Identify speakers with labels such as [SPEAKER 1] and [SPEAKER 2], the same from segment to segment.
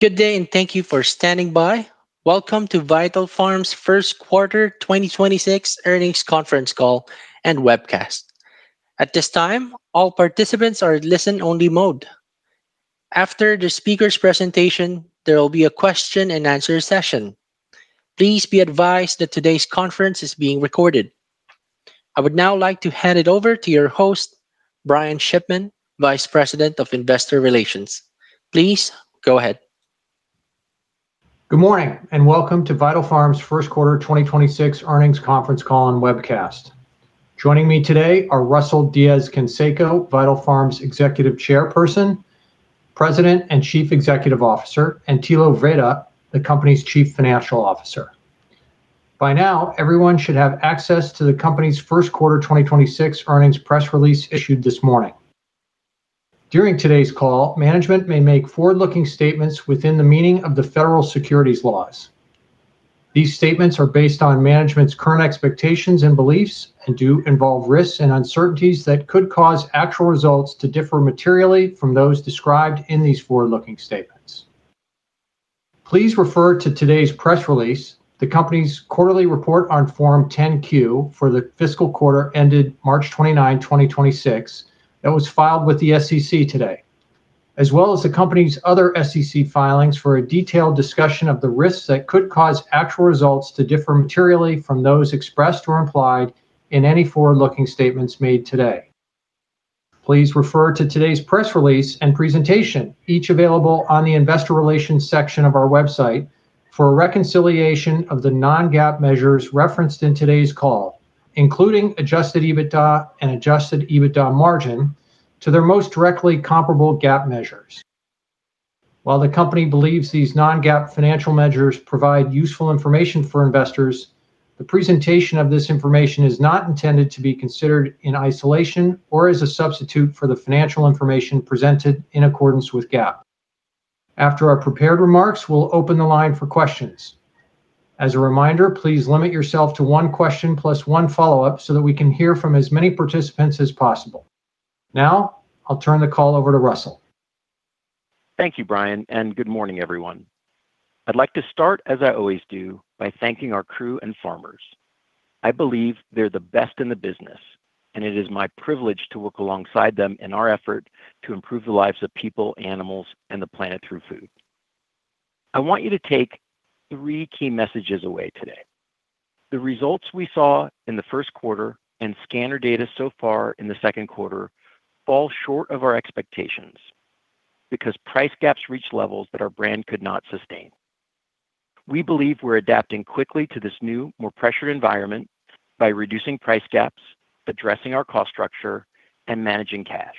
[SPEAKER 1] Good day. Thank you for standing by. Welcome to Vital Farms' first quarter 2026 earnings conference call and webcast. At this time, all participants are in listen-only mode. After the speaker's presentation, there will be a question and answer session. Please be advised that today's conference is being recorded. I would now like to hand it over to your host, Brian Shipman, Vice President of Investor Relations. Please go ahead.
[SPEAKER 2] Good morning, welcome to Vital Farms' first quarter 2026 earnings conference call and webcast. Joining me today are Russell Diez-Canseco, Vital Farms' Executive Chairperson, President, and Chief Executive Officer, and Thilo Wrede, the company's Chief Financial Officer. By now, everyone should have access to the company's first quarter 2026 earnings press release issued this morning. During today's call, management may make forward-looking statements within the meaning of the federal securities laws. These statements are based on management's current expectations and beliefs and do involve risks and uncertainties that could cause actual results to differ materially from those described in these forward-looking statements. Please refer to today's press release, the company's quarterly report on Form 10-Q for the fiscal quarter ended March 29, 2026, that was filed with the SEC today, as well as the company's other SEC filings for a detailed discussion of the risks that could cause actual results to differ materially from those expressed or implied in any forward-looking statements made today. Please refer to today's press release and presentation, each available on the investor relations section of our website, for a reconciliation of the non-GAAP measures referenced in today's call, including adjusted EBITDA and adjusted EBITDA margin, to their most directly comparable GAAP measures. While the company believes these non-GAAP financial measures provide useful information for investors, the presentation of this information is not intended to be considered in isolation or as a substitute for the financial information presented in accordance with GAAP. After our prepared remarks, we'll open the line for questions. As a reminder, please limit yourself to one question plus one follow-up so that we can hear from as many participants as possible. I'll turn the call over to Russell.
[SPEAKER 3] Thank you, Brian. Good morning, everyone. I'd like to start, as I always do, by thanking our crew and farmers. I believe they're the best in the business, and it is my privilege to work alongside them in our effort to improve the lives of people, animals, and the planet through food. I want you to take three key messages away today. The results we saw in the first quarter and scanner data so far in the second quarter fall short of our expectations because price gaps reached levels that our brand could not sustain. We believe we're adapting quickly to this new, more pressured environment by reducing price gaps, addressing our cost structure, and managing cash.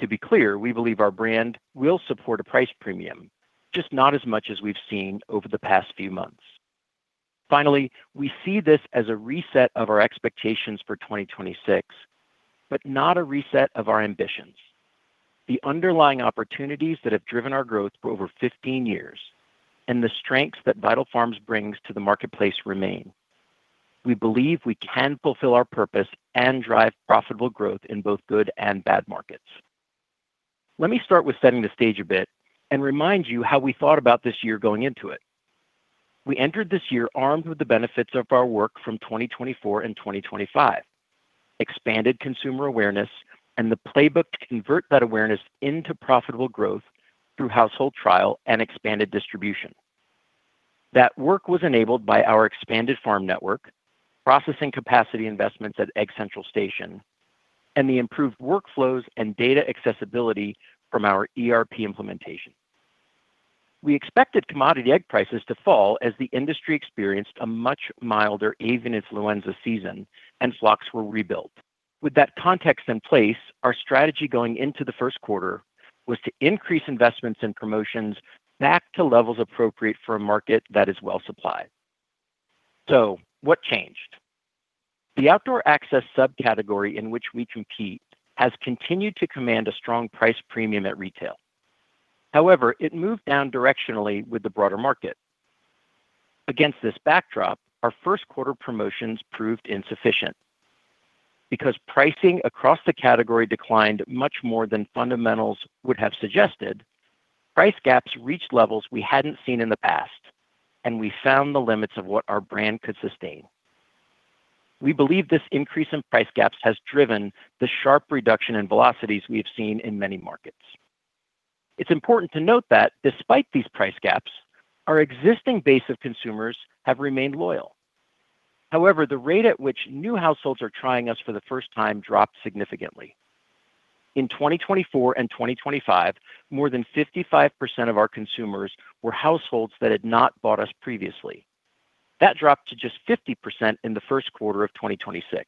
[SPEAKER 3] To be clear, we believe our brand will support a price premium, just not as much as we've seen over the past few months. Finally, we see this as a reset of our expectations for 2026, but not a reset of our ambitions. The underlying opportunities that have driven our growth for over 15 years and the strengths that Vital Farms brings to the marketplace remain. We believe we can fulfill our purpose and drive profitable growth in both good and bad markets. Let me start with setting the stage a bit and remind you how we thought about this year going into it. We entered this year armed with the benefits of our work from 2024 and 2025, expanded consumer awareness, and the playbook to convert that awareness into profitable growth through household trial and expanded distribution. That work was enabled by our expanded farm network, processing capacity investments at Egg Central Station, and the improved workflows and data accessibility from our ERP implementation. We expected commodity egg prices to fall as the industry experienced a much milder avian influenza season and flocks were rebuilt. With that context in place, our strategy going into the first quarter was to increase investments and promotions back to levels appropriate for a market that is well supplied. What changed? The outdoor access subcategory in which we compete has continued to command a strong price premium at retail. However, it moved down directionally with the broader market. Against this backdrop, our first quarter promotions proved insufficient. Because pricing across the category declined much more than fundamentals would have suggested, price gaps reached levels we hadn't seen in the past, and we found the limits of what our brand could sustain. We believe this increase in price gaps has driven the sharp reduction in velocities we have seen in many markets. It's important to note that despite these price gaps, our existing base of consumers have remained loyal. However, the rate at which new households are trying us for the first time dropped significantly. In 2024 and 2025, more than 55% of our consumers were households that had not bought us previously. That dropped to just 50% in the first quarter of 2026.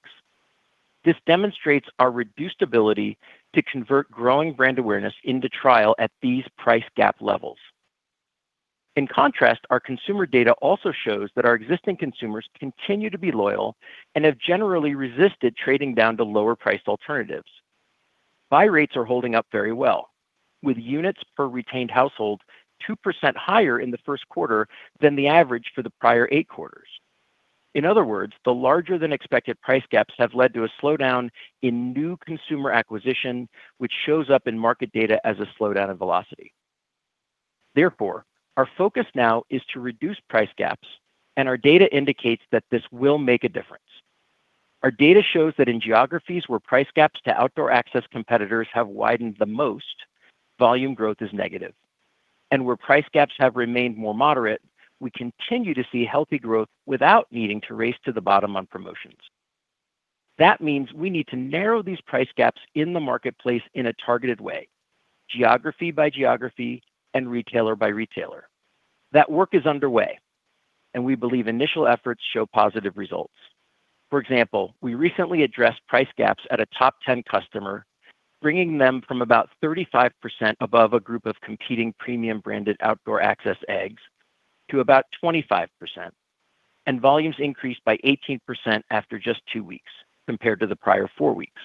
[SPEAKER 3] This demonstrates our reduced ability to convert growing brand awareness into trial at these price gap levels. In contrast, our consumer data also shows that our existing consumers continue to be loyal and have generally resisted trading down to lower-priced alternatives. Buy rates are holding up very well, with units per retained household 2% higher in the first quarter than the average for the prior 8 quarters. In other words, the larger-than-expected price gaps have led to a slowdown in new consumer acquisition, which shows up in market data as a slowdown in velocity. Therefore, our focus now is to reduce price gaps, and our data indicates that this will make a difference. Our data shows that in geographies where price gaps to outdoor access competitors have widened the most, volume growth is negative. Where price gaps have remained more moderate, we continue to see healthy growth without needing to race to the bottom on promotions. That means we need to narrow these price gaps in the marketplace in a targeted way, geography by geography and retailer by retailer. That work is underway. We believe initial efforts show positive results. For example, we recently addressed price gaps at a top 10 customer, bringing them from about 35% above a group of competing premium-branded outdoor access eggs to about 25%, and volumes increased by 18% after just 2 weeks compared to the prior 4 weeks.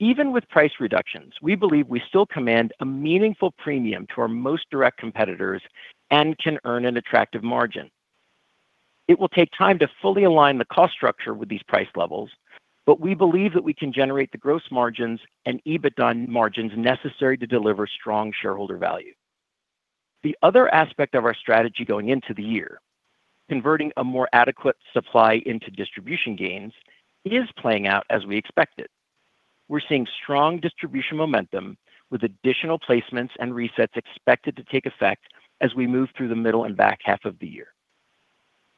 [SPEAKER 3] Even with price reductions, we believe we still command a meaningful premium to our most direct competitors and can earn an attractive margin. It will take time to fully align the cost structure with these price levels, but we believe that we can generate the gross margins and EBITDA margins necessary to deliver strong shareholder value. The other aspect of our strategy going into the year, converting a more adequate supply into distribution gains, is playing out as we expected. We're seeing strong distribution momentum with additional placements and resets expected to take effect as we move through the middle and back half of the year.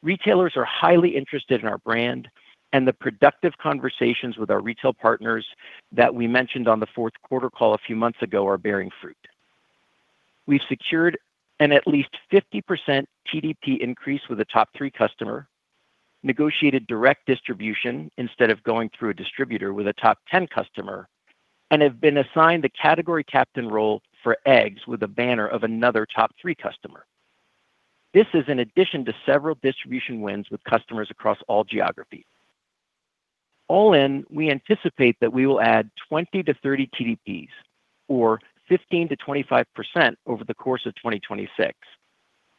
[SPEAKER 3] Retailers are highly interested in our brand and the productive conversations with our retail partners that we mentioned on the fourth quarter call a few months ago are bearing fruit. We've secured an at least 50% TDP increase with a top 3 customer, negotiated direct distribution instead of going through a distributor with a top 10 customer, and have been assigned the category captain role for eggs with a banner of another top 3 customer. This is in addition to several distribution wins with customers across all geographies. All in, we anticipate that we will add 20-30 TDPs or 15%-25% over the course of 2026,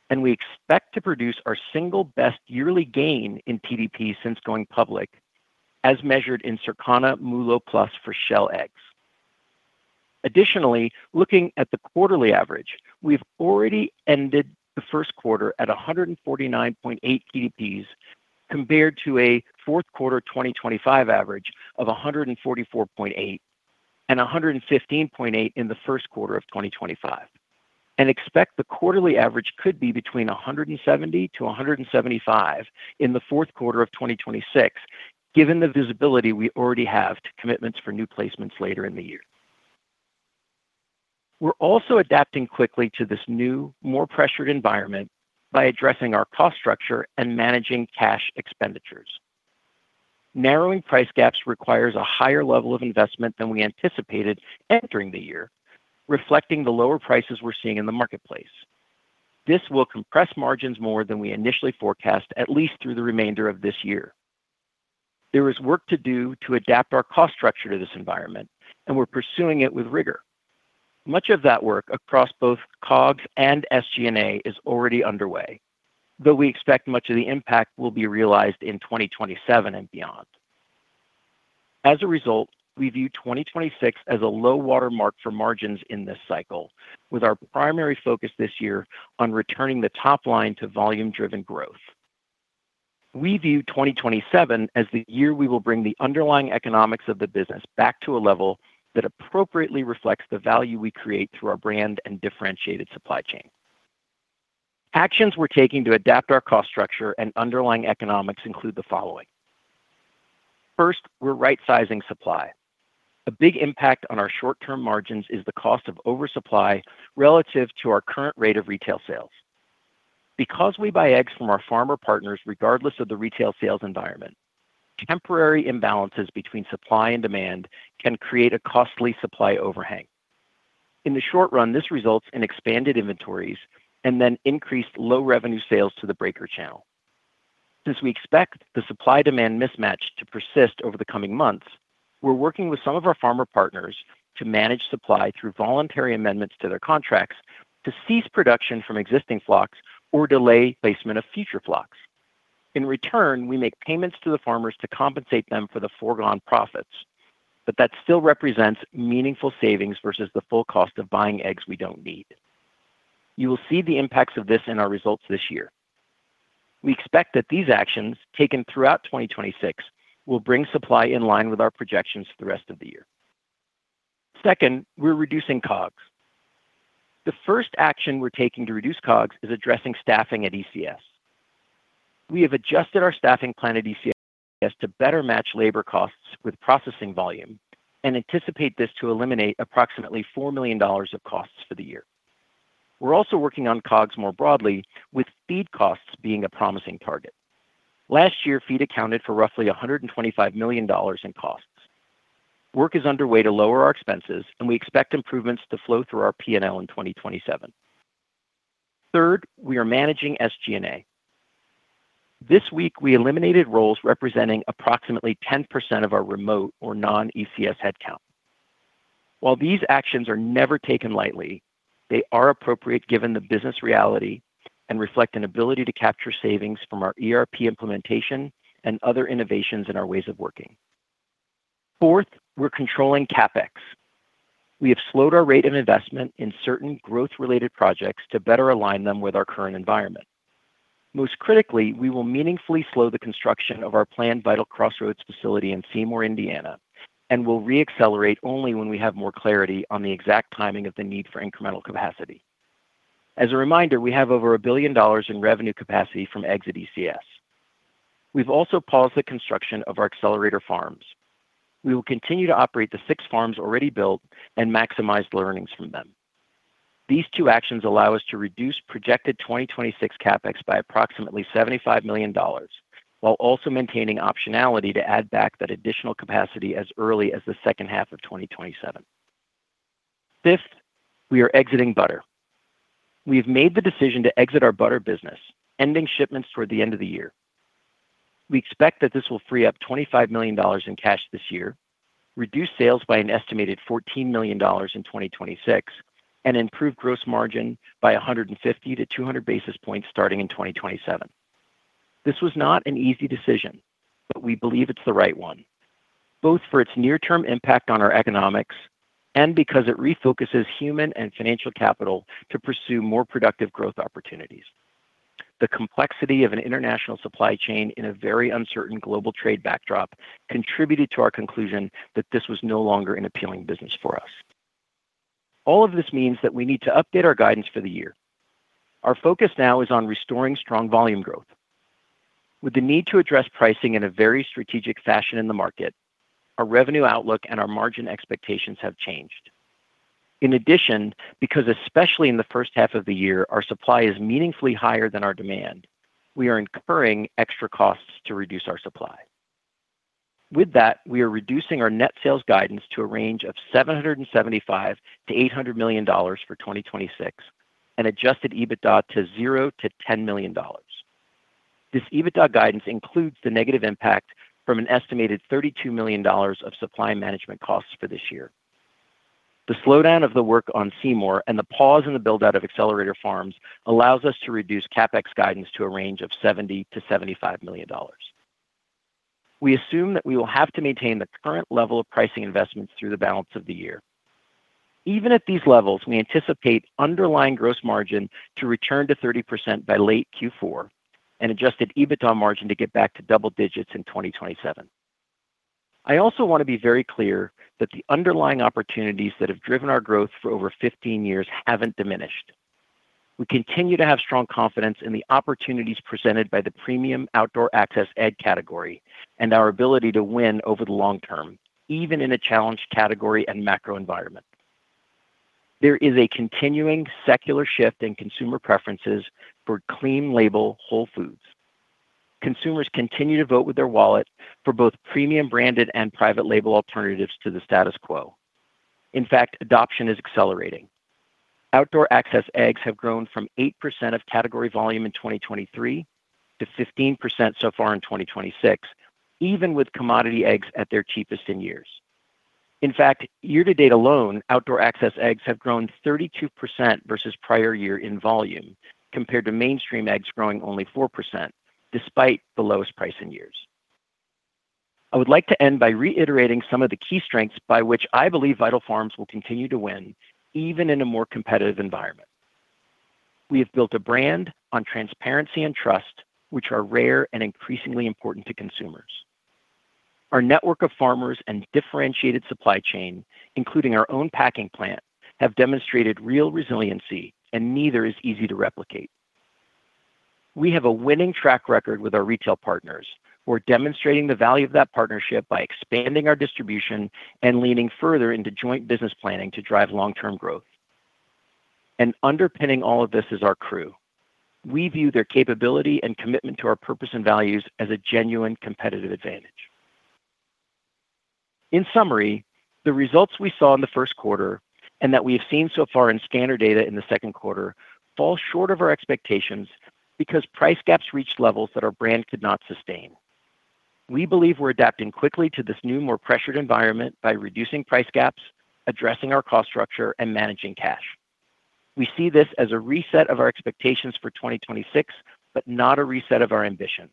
[SPEAKER 3] and we expect to produce our single best yearly gain in TDP since going public as measured in Circana MULO+ for shell eggs. Additionally, looking at the quarterly average, we've already ended the first quarter at 149.8 TDPs compared to a fourth quarter 2025 average of 144.8 and 115.8 in the first quarter of 2025, and expect the quarterly average could be between 170-175 in the fourth quarter of 2026, given the visibility we already have to commitments for new placements later in the year. We're also adapting quickly to this new, more pressured environment by addressing our cost structure and managing cash expenditures. Narrowing price gaps requires a higher level of investment than we anticipated entering the year, reflecting the lower prices we're seeing in the marketplace. This will compress margins more than we initially forecast, at least through the remainder of this year. There is work to do to adapt our cost structure to this environment, and we're pursuing it with rigor. Much of that work across both COGS and SG&A is already underway, though we expect much of the impact will be realized in 2027 and beyond. As a result, we view 2026 as a low watermark for margins in this cycle, with our primary focus this year on returning the top line to volume-driven growth. We view 2027 as the year we will bring the underlying economics of the business back to a level that appropriately reflects the value we create through our brand and differentiated supply chain. Actions we're taking to adapt our cost structure and underlying economics include the following: First, we're right-sizing supply. A big impact on our short-term margins is the cost of oversupply relative to our current rate of retail sales. Because we buy eggs from our farmer partners regardless of the retail sales environment, temporary imbalances between supply and demand can create a costly supply overhang. In the short run, this results in expanded inventories and then increased low-revenue sales to the breaker channel. Since we expect the supply-demand mismatch to persist over the coming months, we are working with some of our farmer partners to manage supply through voluntary amendments to their contracts to cease production from existing flocks or delay placement of future flocks. In return, we make payments to the farmers to compensate them for the foregone profits, but that still represents meaningful savings versus the full cost of buying eggs we don't need. You will see the impacts of this in our results this year. We expect that these actions taken throughout 2026 will bring supply in line with our projections for the rest of the year. Second, we are reducing COGS. The first action we are taking to reduce COGS is addressing staffing at ECS. We have adjusted our staffing plan at ECS to better match labor costs with processing volume and anticipate this to eliminate approximately $4 million of costs for the year. We're also working on COGS more broadly, with feed costs being a promising target. Last year, feed accounted for roughly $125 million in costs. Work is underway to lower our expenses. We expect improvements to flow through our P&L in 2027. Third, we are managing SG&A. This week, we eliminated roles representing approximately 10% of our remote or non-ECS headcount. While these actions are never taken lightly, they are appropriate given the business reality and reflect an ability to capture savings from our ERP implementation and other innovations in our ways of working. Fourth, we're controlling CapEx. We have slowed our rate of investment in certain growth-related projects to better align them with our current environment. Most critically, we will meaningfully slow the construction of our planned Vital Crossroads facility in Seymour, Indiana, and will re-accelerate only when we have more clarity on the exact timing of the need for incremental capacity. As a reminder, we have over $1 billion in revenue capacity from exit ECS. We've also paused the construction of our accelerator farms. We will continue to operate the 6 farms already built and maximize learnings from them. These two actions allow us to reduce projected 2026 CapEx by approximately $75 million, while also maintaining optionality to add back that additional capacity as early as the second half of 2027. Fifth, we are exiting butter. We have made the decision to exit our butter business, ending shipments toward the end of the year. We expect that this will free up $25 million in cash this year, reduce sales by an estimated $14 million in 2026, and improve gross margin by 150 to 200 basis points starting in 2027. This was not an easy decision, but we believe it's the right one, both for its near-term impact on our economics and because it refocuses human and financial capital to pursue more productive growth opportunities. The complexity of an international supply chain in a very uncertain global trade backdrop contributed to our conclusion that this was no longer an appealing business for us. All of this means that we need to update our guidance for the year. Our focus now is on restoring strong volume growth. With the need to address pricing in a very strategic fashion in the market, our revenue outlook and our margin expectations have changed. In addition, because especially in the first half of the year, our supply is meaningfully higher than our demand, we are incurring extra costs to reduce our supply. With that, we are reducing our net sales guidance to a range of $775 million-$800 million for 2026 and adjusted EBITDA to $0-$10 million. This EBITDA guidance includes the negative impact from an estimated $32 million of supply management costs for this year. The slowdown of the work on Seymour and the pause in the build-out of accelerator farms allows us to reduce CapEx guidance to a range of $70 million-$75 million. We assume that we will have to maintain the current level of pricing investments through the balance of the year. Even at these levels, we anticipate underlying gross margin to return to 30% by late Q4 and adjusted EBITDA margin to get back to double digits in 2027. I also want to be very clear that the underlying opportunities that have driven our growth for over 15 years haven't diminished. We continue to have strong confidence in the opportunities presented by the premium outdoor access egg category and our ability to win over the long term, even in a challenged category and macro environment. There is a continuing secular shift in consumer preferences for clean label whole foods. Consumers continue to vote with their wallet for both premium branded and private label alternatives to the status quo. In fact, adoption is accelerating. Outdoor access eggs have grown from 8% of category volume in 2023 to 15% so far in 2026, even with commodity eggs at their cheapest in years. In fact, year-to-date alone, outdoor access eggs have grown 32% versus prior year in volume compared to mainstream eggs growing only 4% despite the lowest price in years. I would like to end by reiterating some of the key strengths by which I believe Vital Farms will continue to win even in a more competitive environment. We have built a brand on transparency and trust, which are rare and increasingly important to consumers. Our network of farmers and differentiated supply chain, including our own packing plant, have demonstrated real resiliency, and neither is easy to replicate. We have a winning track record with our retail partners. We're demonstrating the value of that partnership by expanding our distribution and leaning further into joint business planning to drive long-term growth. Underpinning all of this is our crew. We view their capability and commitment to our purpose and values as a genuine competitive advantage. In summary, the results we saw in the first quarter and that we have seen so far in scanner data in the second quarter fall short of our expectations because price gaps reached levels that our brand could not sustain. We believe we're adapting quickly to this new, more pressured environment by reducing price gaps, addressing our cost structure, and managing cash. We see this as a reset of our expectations for 2026, but not a reset of our ambitions.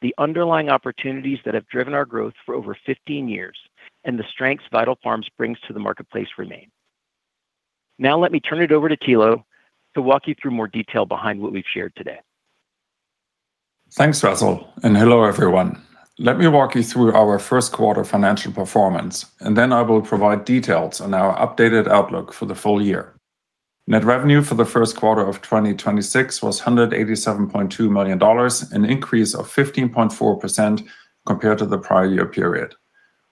[SPEAKER 3] The underlying opportunities that have driven our growth for over 15 years and the strengths Vital Farms brings to the marketplace remain. Now let me turn it over to Thilo to walk you through more detail behind what we've shared today.
[SPEAKER 4] Thanks, Russell. Hello, everyone. Let me walk you through our first quarter financial performance, and then I will provide details on our updated outlook for the full year. Net revenue for the first quarter of 2026 was $187.2 million, an increase of 15.4% compared to the prior year period.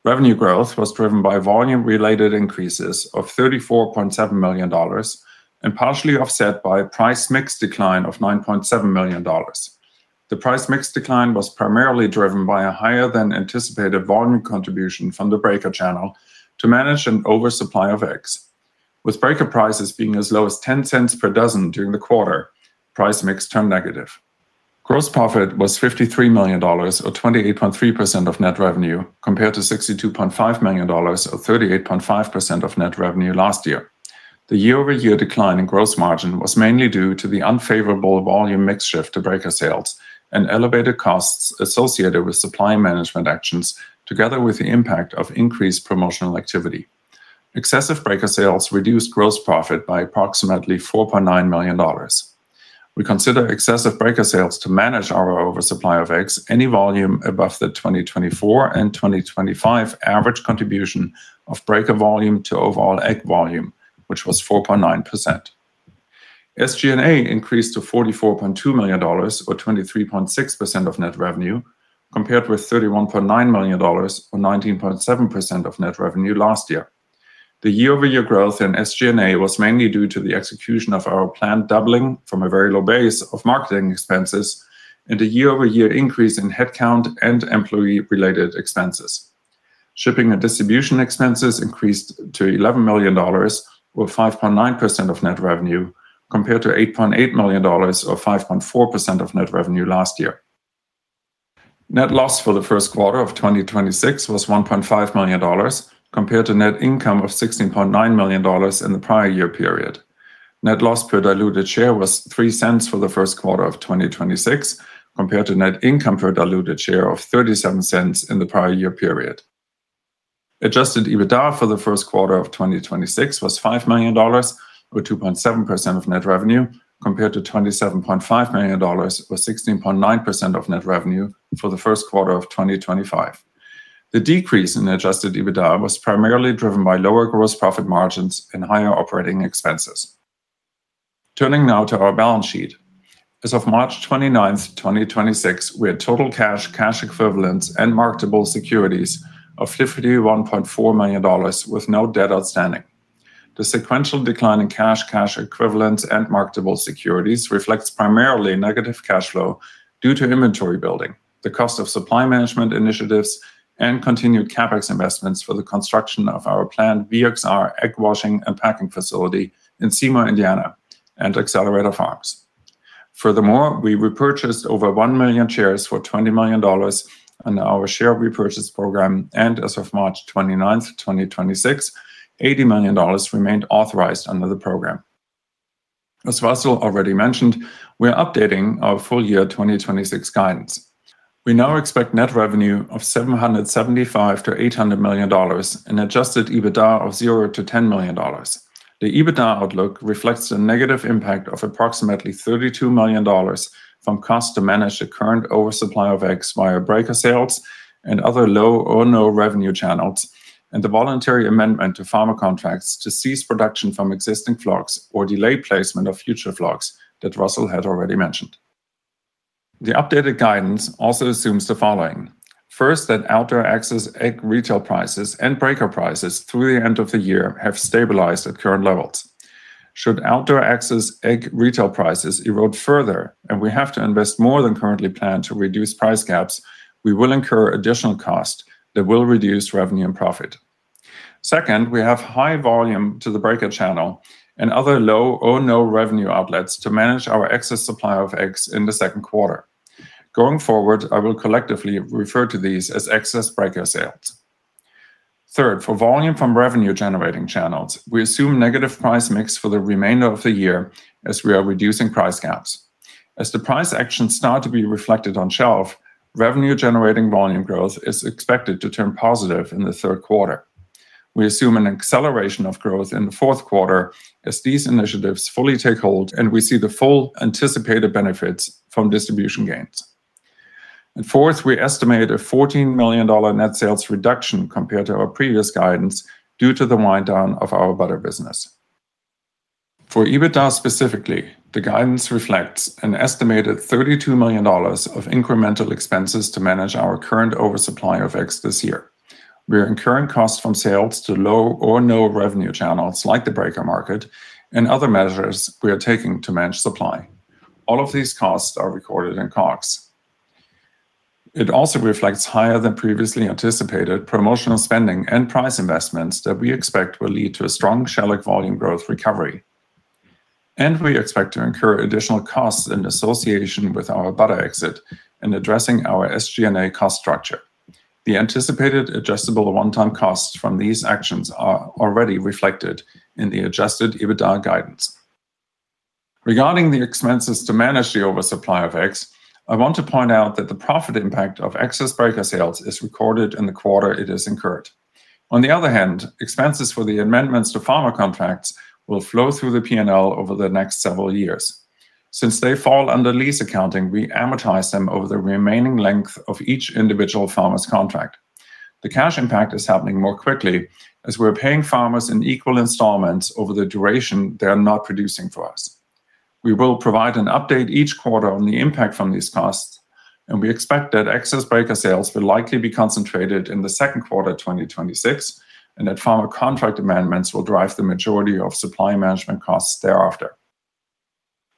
[SPEAKER 4] Revenue growth was driven by volume-related increases of $34.7 million and partially offset by price mix decline of $9.7 million. The price mix decline was primarily driven by a higher than anticipated volume contribution from the breaker channel to manage an oversupply of eggs. With breaker prices being as low as $0.10 per dozen during the quarter, price mix turned negative. Gross profit was $53 million or 28.3% of net revenue compared to $62.5 million or 38.5% of net revenue last year. The year-over-year decline in gross margin was mainly due to the unfavorable volume mix shift to breaker sales and elevated costs associated with supply management actions together with the impact of increased promotional activity. Excessive breaker sales reduced gross profit by approximately $4.9 million. We consider excessive breaker sales to manage our oversupply of eggs any volume above the 2024 and 2025 average contribution of breaker volume to overall egg volume, which was 4.9%. SG&A increased to $44.2 million or 23.6% of net revenue compared with $31.9 million or 19.7% of net revenue last year. The year-over-year growth in SG&A was mainly due to the execution of our planned doubling from a very low base of marketing expenses and a year-over-year increase in headcount and employee-related expenses. Shipping and distribution expenses increased to $11 million or 5.9% of net revenue compared to $8.8 million or 5.4% of net revenue last year. Net loss for the first quarter of 2026 was $1.5 million compared to net income of $16.9 million in the prior year period. Net loss per diluted share was $0.03 for the first quarter of 2026 compared to net income per diluted share of $0.37 in the prior year period. Adjusted EBITDA for the first quarter of 2026 was $5 million or 2.7% of net revenue compared to $27.5 million or 16.9% of net revenue for the first quarter of 2025. The decrease in adjusted EBITDA was primarily driven by lower gross profit margins and higher operating expenses. Turning now to our balance sheet. As of March 29, 2026, we had total cash equivalents, and marketable securities of $51.4 million with no debt outstanding. The sequential decline in cash equivalents, and marketable securities reflects primarily negative cash flow due to inventory building, the cost of supply management initiatives, and continued CapEx investments for the construction of our planned VXR egg washing and packing facility in Seymour, Indiana, and accelerator farms. Furthermore, we repurchased over 1 million shares for $20 million in our share repurchase program and, as of March 29, 2026, $80 million remained authorized under the program. As Russell already mentioned, we are updating our full year 2026 guidance. We now expect net revenue of $775 million-$800 million and adjusted EBITDA of $0-$10 million. The EBITDA outlook reflects the negative impact of approximately $32 million from cost to manage the current oversupply of eggs via breaker sales and other low or no revenue channels, and the voluntary amendment to farmer contracts to cease production from existing flocks or delay placement of future flocks that Russell had already mentioned. The updated guidance also assumes the following. First, that outdoor access egg retail prices and breaker prices through the end of the year have stabilized at current levels. Should outdoor access egg retail prices erode further and we have to invest more than currently planned to reduce price gaps, we will incur additional cost that will reduce revenue and profit. Second, we have high volume to the breaker channel and other low or no revenue outlets to manage our excess supply of eggs in the second quarter. Going forward, I will collectively refer to these as excess breaker sales. Third, for volume from revenue-generating channels, we assume negative price mix for the remainder of the year as we are reducing price gaps. As the price actions start to be reflected on shelf, revenue-generating volume growth is expected to turn positive in the third quarter. Fourth, we estimate a $14 million net sales reduction compared to our previous guidance due to the wind down of our butter business. For EBITDA specifically, the guidance reflects an estimated $32 million of incremental expenses to manage our current oversupply of eggs this year. We are incurring costs from sales to low or no revenue channels like the breaker market and other measures we are taking to manage supply. All of these costs are recorded in COGS. It also reflects higher than previously anticipated promotional spending and price investments that we expect will lead to a strong shell egg volume growth recovery. We expect to incur additional costs in association with our butter exit in addressing our SG&A cost structure. The anticipated adjustable one-time costs from these actions are already reflected in the adjusted EBITDA guidance. Regarding the expenses to manage the oversupply of eggs, I want to point out that the profit impact of excess breaker sales is recorded in the quarter it is incurred. On the other hand, expenses for the amendments to farmer contracts will flow through the P&L over the next several years. Since they fall under lease accounting, we amortize them over the remaining length of each individual farmer's contract. The cash impact is happening more quickly as we're paying farmers in equal installments over the duration they are not producing for us. We will provide an update each quarter on the impact from these costs, and we expect that excess breaker sales will likely be concentrated in the second quarter 2026, and that farmer contract amendments will drive the majority of supply management costs thereafter.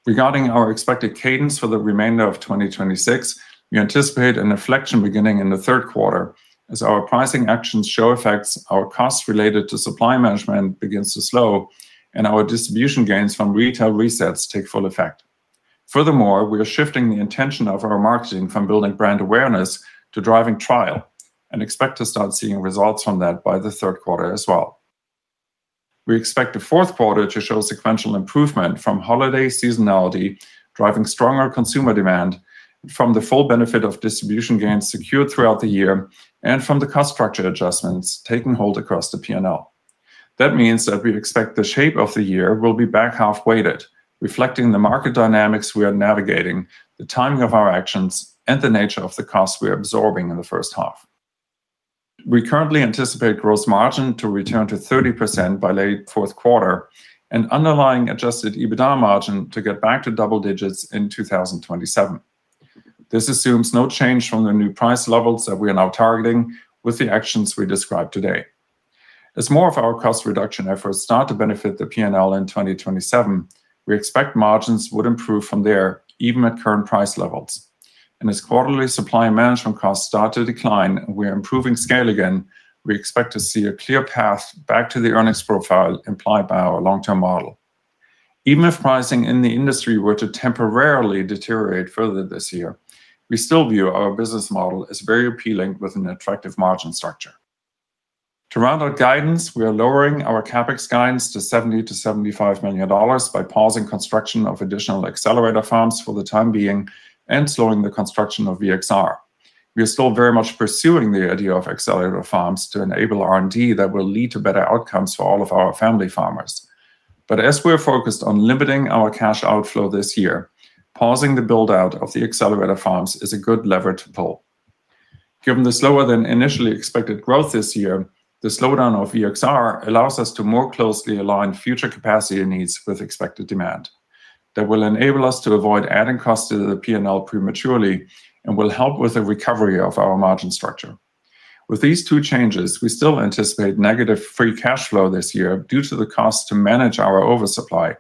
[SPEAKER 4] Regarding our expected cadence for the remainder of 2026, we anticipate an inflection beginning in the third quarter as our pricing actions show effects, our costs related to supply management begins to slow, and our distribution gains from retail resets take full effect. Furthermore, we are shifting the intention of our marketing from building brand awareness to driving trial and expect to start seeing results from that by the third quarter as well. We expect the fourth quarter to show sequential improvement from holiday seasonality, driving stronger consumer demand from the full benefit of distribution gains secured throughout the year and from the cost structure adjustments taking hold across the P&L. That means that we expect the shape of the year will be back half weighted, reflecting the market dynamics we are navigating, the timing of our actions, and the nature of the costs we are absorbing in the first half. We currently anticipate gross margin to return to 30% by late fourth quarter and underlying adjusted EBITDA margin to get back to double digits in 2027. This assumes no change from the new price levels that we are now targeting with the actions we describe today. As more of our cost reduction efforts start to benefit the P&L in 2027, we expect margins would improve from there even at current price levels. As quarterly supply management costs start to decline, we are improving scale again, we expect to see a clear path back to the earnings profile implied by our long-term model. Even if pricing in the industry were to temporarily deteriorate further this year, we still view our business model as very appealing with an attractive margin structure. To round out guidance, we are lowering our CapEx guidance to $70 million-$75 million by pausing construction of additional accelerator farms for the time being and slowing the construction of VXR. We are still very much pursuing the idea of accelerator farms to enable R&D that will lead to better outcomes for all of our family farmers. As we're focused on limiting our cash outflow this year, pausing the build-out of the accelerator farms is a good lever to pull. Given the slower than initially expected growth this year, the slowdown of VXR allows us to more closely align future capacity needs with expected demand. That will enable us to avoid adding costs to the P&L prematurely and will help with the recovery of our margin structure. With these two changes, we still anticipate negative free cash flow this year due to the cost to manage our oversupply.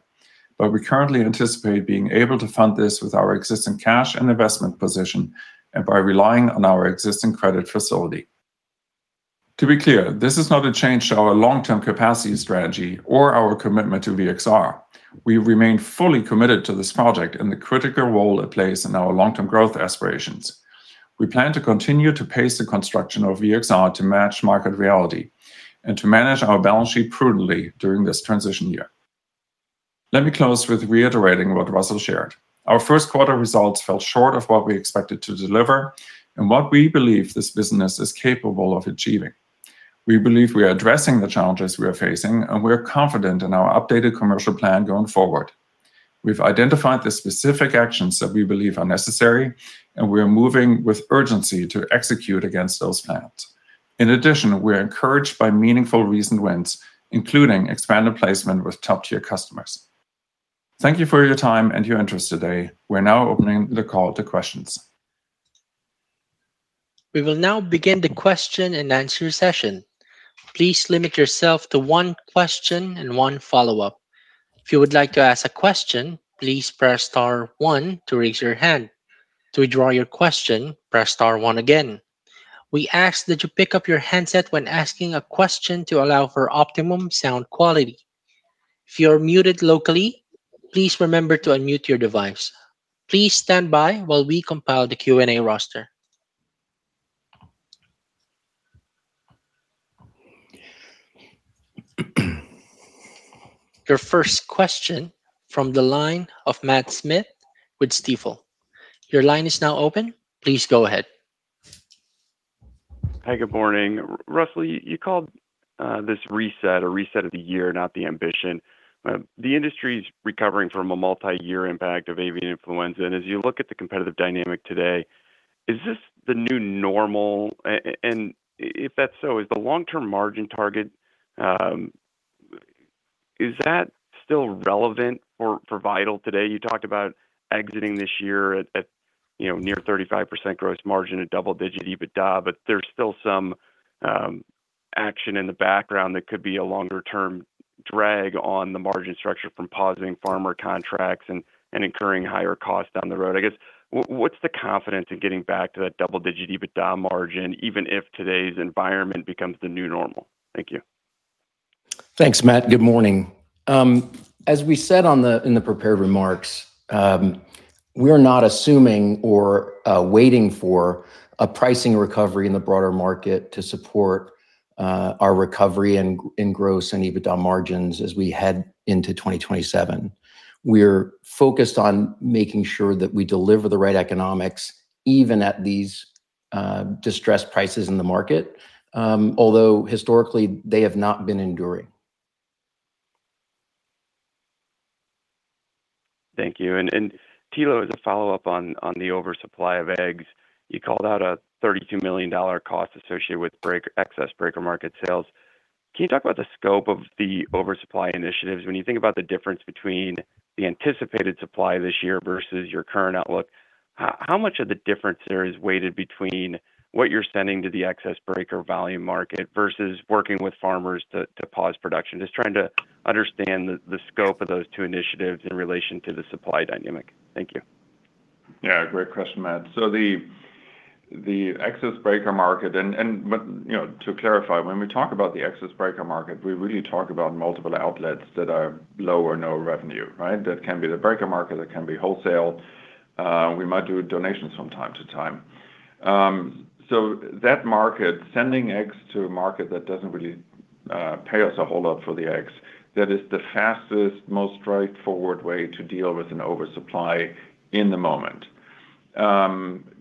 [SPEAKER 4] We currently anticipate being able to fund this with our existing cash and investment position and by relying on our existing credit facility. To be clear, this is not a change to our long-term capacity strategy or our commitment to VXR. We remain fully committed to this project and the critical role it plays in our long-term growth aspirations. We plan to continue to pace the construction of VXR to match market reality and to manage our balance sheet prudently during this transition year. Let me close with reiterating what Russell shared. Our first quarter results fell short of what we expected to deliver and what we believe this business is capable of achieving. We believe we are addressing the challenges we are facing, and we are confident in our updated commercial plan going forward. We've identified the specific actions that we believe are necessary, and we are moving with urgency to execute against those plans. In addition, we're encouraged by meaningful recent wins, including expanded placement with top-tier customers. Thank you for your time and your interest today. We're now opening the call to questions.
[SPEAKER 1] We will now begin the question and answer session. Please limit yourself to one question and one follow-up. If you would like to ask a question, please press star one to raise your hand. To withdraw your question, press star one again. We ask that you pick up your handset when asking a question to allow for optimum sound quality. If you are muted locally, please remember to unmute your device. Please stand by while we compile the Q&A roster. Your first question from the line of Matthew Smith with Stifel. Your line is now open. Please go ahead.
[SPEAKER 5] Hi, good morning. Russell, you called this reset a reset of the year, not the ambition. The industry's recovering from a multi-year impact of avian influenza, and as you look at the competitive dynamic today, is this the new normal? If that's so, is the long-term margin target, is that still relevant for Vital today? You talked about exiting this year at, you know, near 35% gross margin at double-digit EBITDA, but there's still some action in the background that could be a longer term drag on the margin structure from pausing farmer contracts and incurring higher costs down the road. I guess, what's the confidence in getting back to that double-digit EBITDA margin even if today's environment becomes the new normal? Thank you.
[SPEAKER 3] Thanks, Matt. Good morning. As we said on the, in the prepared remarks, we're not assuming or waiting for a pricing recovery in the broader market to support our recovery in gross and EBITDA margins as we head into 2027. We're focused on making sure that we deliver the right economics even at these distressed prices in the market, although historically, they have not been enduring.
[SPEAKER 5] Thank you. Thilo, as a follow-up on the oversupply of eggs, you called out a $32 million cost associated with excess breaker market sales. Can you talk about the scope of the oversupply initiatives? When you think about the difference between the anticipated supply this year versus your current outlook, how much of the difference there is weighted between what you're sending to the excess breaker volume market versus working with farmers to pause production? Just trying to understand the scope of those two initiatives in relation to the supply dynamic. Thank you.
[SPEAKER 4] Yeah, great question, Matt. The excess breaker market and, you know, to clarify, when we talk about the excess breaker market, we really talk about multiple outlets that are low or no revenue, right? That can be the breaker market, that can be wholesale. We might do a donation from time to time. That market, sending eggs to a market that doesn't really pay us a whole lot for the eggs, that is the fastest, most straightforward way to deal with an oversupply in the moment.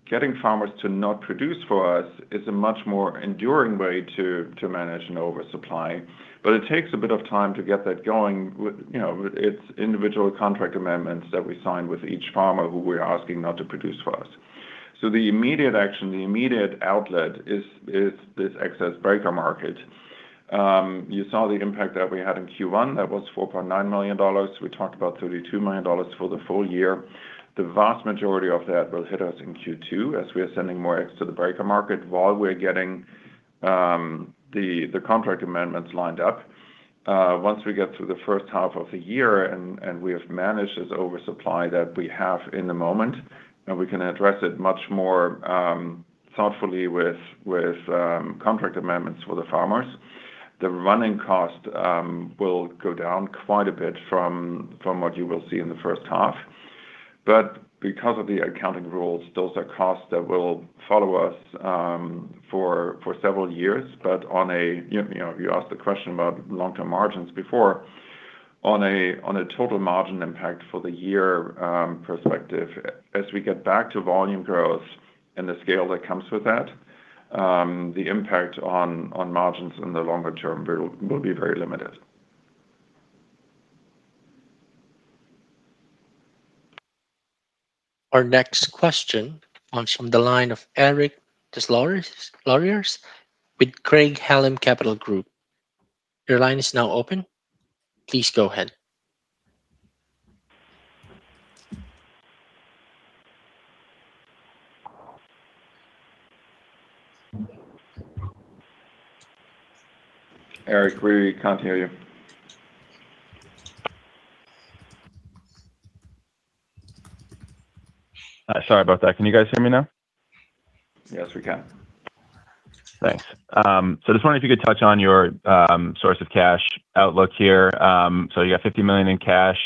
[SPEAKER 4] Getting farmers to not produce for us is a much more enduring way to manage an oversupply. It takes a bit of time to get that going with, you know, it's individual contract amendments that we sign with each farmer who we're asking not to produce for us. The immediate action, the immediate outlet is this excess breaker market. You saw the impact that we had in Q1. That was $4.9 million. We talked about $32 million for the full year. The vast majority of that will hit us in Q2 as we are sending more eggs to the breaker market while we are getting the contract amendments lined up. Once we get through the first half of the year and we have managed this oversupply that we have in the moment, then we can address it much more thoughtfully with contract amendments for the farmers. The running cost will go down quite a bit from what you will see in the first half. Because of the accounting rules, those are costs that will follow us for several years. You know, you asked the question about long-term margins before. On a total margin impact for the year perspective, as we get back to volume growth and the scale that comes with that, the impact on margins in the longer term will be very limited.
[SPEAKER 1] Our next question comes from the line of Eric Des Lauriers with Craig-Hallum Capital Group.
[SPEAKER 4] Eric, we can't hear you.
[SPEAKER 6] Sorry about that. Can you guys hear me now?
[SPEAKER 4] Yes, we can.
[SPEAKER 6] Thanks. Just wondering if you could touch on your source of cash outlook here. You got $50 million in cash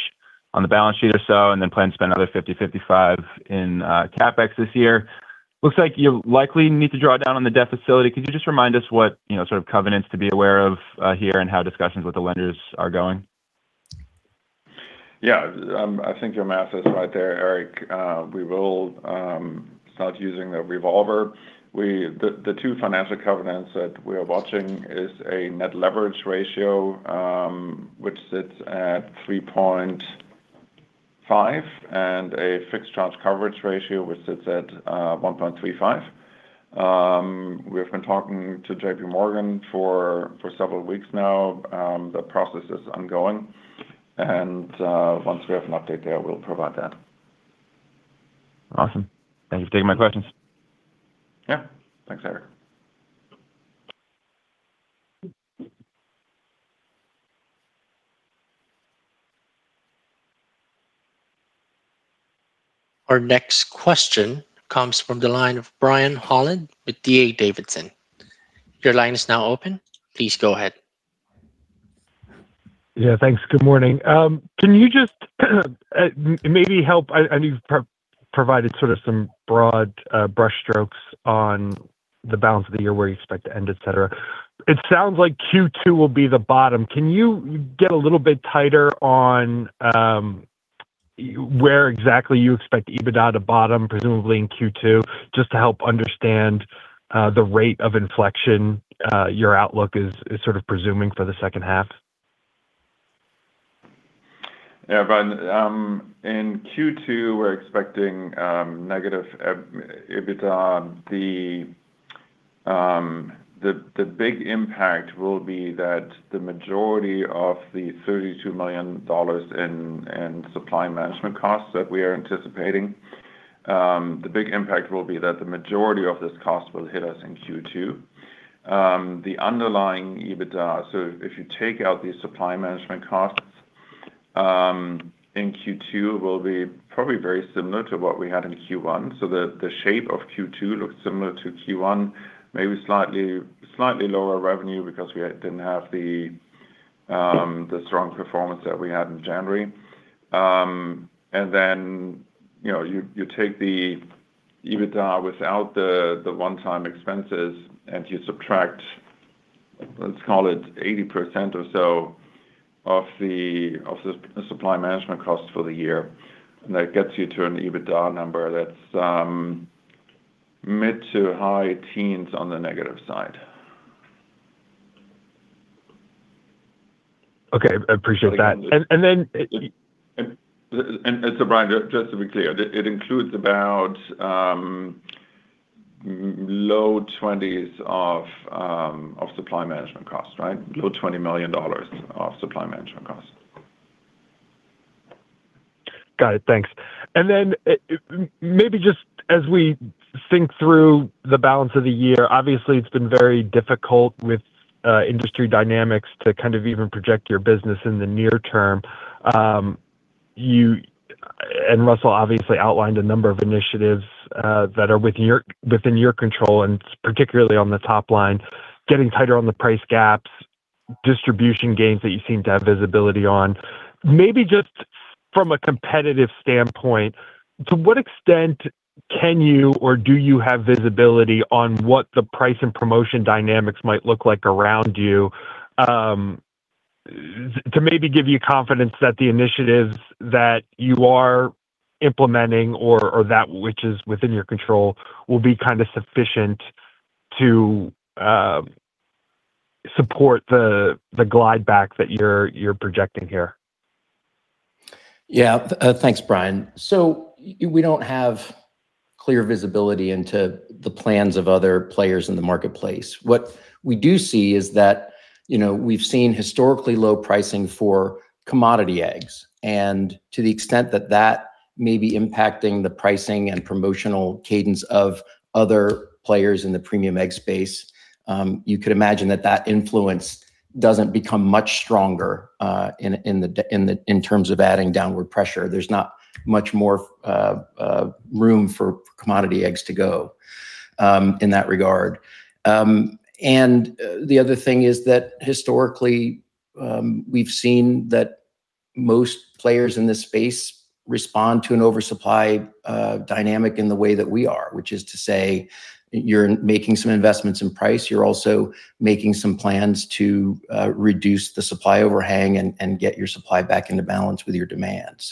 [SPEAKER 6] on the balance sheet or so, and then plan to spend another $50-$55 in CapEx this year. Looks like you likely need to draw down on the debt facility. Could you just remind us what, you know, sort of covenants to be aware of here and how discussions with the lenders are going?
[SPEAKER 4] Yeah. I think your math is right there, Eric. We will start using the revolver. The two financial covenants that we are watching is a net leverage ratio, which sits at 3.5 and a fixed charge coverage ratio, which sits at 1.35. We have been talking to JPMorgan for several weeks now. The process is ongoing. Once we have an update there, we'll provide that.
[SPEAKER 6] Awesome. Thank you for taking my questions.
[SPEAKER 4] Yeah. Thanks, Eric.
[SPEAKER 1] Our next question comes from the line of Brian Holland with D.A. Davidson. Your line is now open. Please go ahead.
[SPEAKER 7] Yeah, thanks. Good morning. Can you just maybe help. You've provided sort of some broad brushstrokes on the balance of the year where you expect to end, et cetera. It sounds like Q2 will be the bottom. Can you get a little bit tighter on where exactly you expect EBITDA to bottom, presumably in Q2, just to help understand the rate of inflection your outlook is sort of presuming for the second half?
[SPEAKER 4] Yeah, Brian. In Q2, we're expecting negative EBITDA. The big impact will be that the majority of the $32 million in supply management costs that we are anticipating, the big impact will be that the majority of this cost will hit us in Q2. The underlying EBITDA, so if you take out these supply management costs, in Q2 will be probably very similar to what we had in Q1. The shape of Q2 looks similar to Q1, maybe slightly lower revenue because we didn't have the strong performance that we had in January. You know, you take the EBITDA without the one-time expenses and you subtract, let's call it 80% or so of the supply management costs for the year, and that gets you to an EBITDA number that's mid to high teens on the negative side.
[SPEAKER 7] Okay. I appreciate that.
[SPEAKER 4] Brian, just to be clear, it includes about low 20s of supply management costs, right? Low $20 million of supply management costs.
[SPEAKER 7] Got it. Thanks. Then maybe just as we think through the balance of the year, obviously it's been very difficult with industry dynamics to kind of even project your business in the near term. You Russell obviously outlined a number of initiatives that are within your, within your control, and particularly on the top line, getting tighter on the price gaps, distribution gains that you seem to have visibility on. Maybe just from a competitive standpoint, to what extent can you or do you have visibility on what the price and promotion dynamics might look like around you to maybe give you confidence that the initiatives that you are implementing or that which is within your control will be kind of sufficient to support the glide back that you're projecting here?
[SPEAKER 3] Yeah. Thanks, Brian. We don't have clear visibility into the plans of other players in the marketplace. What we do see is that, you know, we've seen historically low pricing for commodity eggs. To the extent that that may be impacting the pricing and promotional cadence of other players in the premium egg space, you could imagine that that influence doesn't become much stronger in the in the in terms of adding downward pressure. There's not much more room for commodity eggs to go in that regard. The other thing is that historically, we've seen that most players in this space respond to an oversupply dynamic in the way that we are, which is to say that you're making some investments in price. You're also making some plans to reduce the supply overhang and get your supply back into balance with your demand.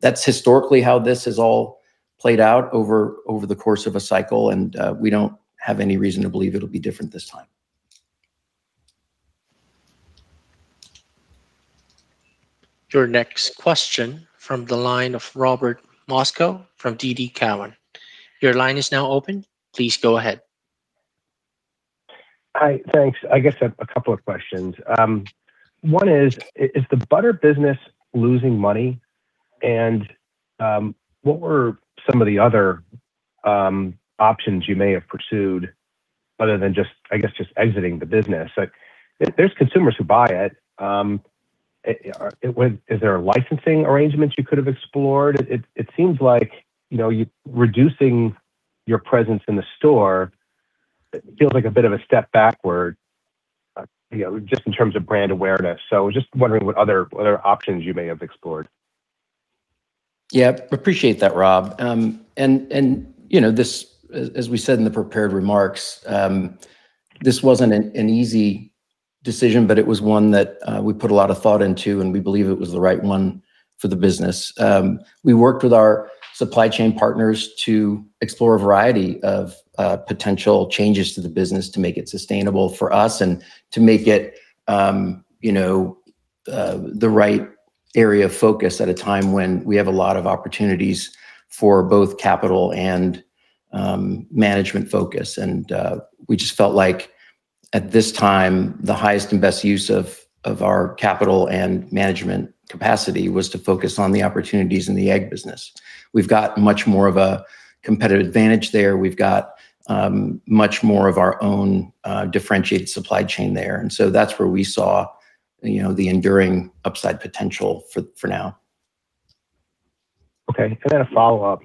[SPEAKER 3] That's historically how this has all played out over the course of a cycle and we don't have any reason to believe it'll be different this time.
[SPEAKER 1] Your next question from the line of Robert Moskow from TD Cowen. Your line is now open. Please go ahead.
[SPEAKER 8] Hi. Thanks. I guess I have a couple of questions. One is the butter business losing money? What were some of the other options you may have pursued other than just, I guess, just exiting the business? Like, there's consumers who buy it. Was there a licensing arrangement you could have explored? It seems like, you know, you reducing your presence in the store feels like a bit of a step backward, you know, just in terms of brand awareness. Just wondering what other options you may have explored.
[SPEAKER 3] Yeah. Appreciate that, Rob. You know, this, as we said in the prepared remarks, this wasn't an easy decision, but it was one that we put a lot of thought into and we believe it was the right one for the business. We worked with our supply chain partners to explore a variety of potential changes to the business to make it sustainable for us and to make it, you know, the right area of focus at a time when we have a lot of opportunities for both capital and management focus. We just felt like at this time, the highest and best use of our capital and management capacity was to focus on the opportunities in the egg business. We've got much more of a competitive advantage there. We've got much more of our own differentiated supply chain there. That's where we saw, you know, the enduring upside potential for now.
[SPEAKER 8] I got a follow-up.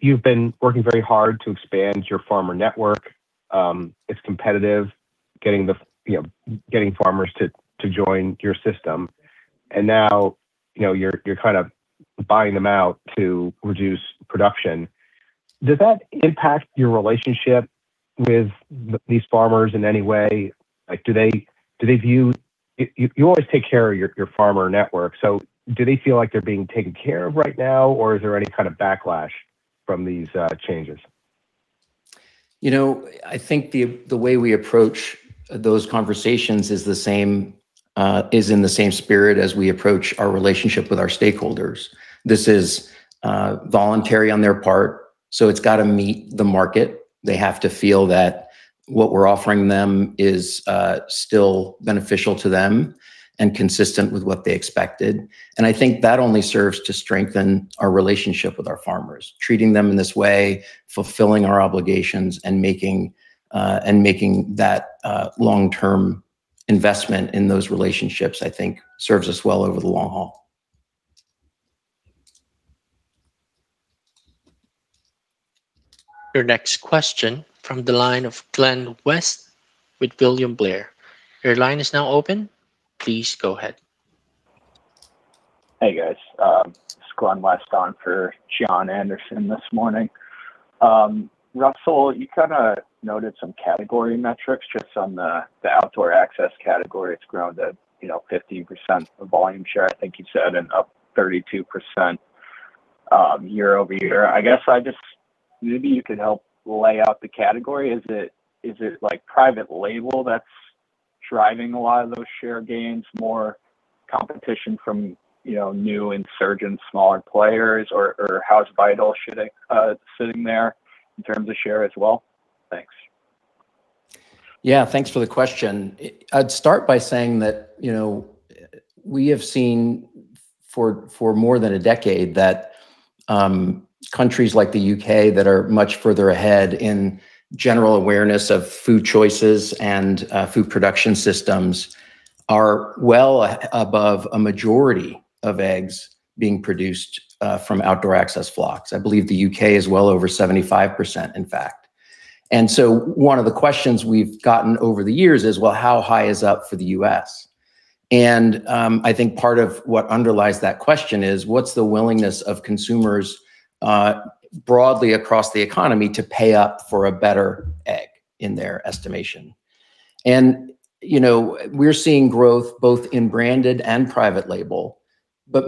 [SPEAKER 8] You've been working very hard to expand your farmer network. It's competitive getting the, you know, getting farmers to join your system and now, you know, you're kind of buying them out to reduce production. Does that impact your relationship with these farmers in any way? Like, do they, do they view you always take care of your farmer network, so do they feel like they're being taken care of right now or is there any kind of backlash from these changes?
[SPEAKER 3] You know, I think the way we approach those conversations is the same, is in the same spirit as we approach our relationship with our stakeholders. This is voluntary on their part, so it's gotta meet the market. They have to feel that what we're offering them is still beneficial to them and consistent with what they expected. I think that only serves to strengthen our relationship with our farmers. Treating them in this way, fulfilling our obligations and making that long-term investment in those relationships, I think serves us well over the long haul.
[SPEAKER 1] Your next question from the line of Glenn West with William Blair. Your line is now open. Please go ahead.
[SPEAKER 9] Hey, guys. It's Glenn West on for Jon Andersen this morning. Russell, you kinda noted some category metrics just on the outdoor access category. It's grown to, you know, 50% of volume share, I think you said, and up 32% year-over-year. Maybe you could help lay out the category. Is it like private label that's driving a lot of those share gains, more competition from, you know, new insurgent smaller players or how's Vital sitting there in terms of share as well? Thanks.
[SPEAKER 3] Yeah. Thanks for the question. I'd start by saying that, you know, we have seen for more than a decade that countries like the U.K. that are much further ahead in general awareness of food choices and food production systems are well above a majority of eggs being produced from outdoor access flocks. I believe the U.K. is well over 75%, in fact. One of the questions we've gotten over the years is, well, how high is up for the U.S.? I think part of what underlies that question is, what's the willingness of consumers broadly across the economy to pay up for a better egg in their estimation? You know, we're seeing growth both in branded and private label.